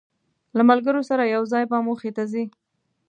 له ملګرو سره یو ځای به موخې ته ځی.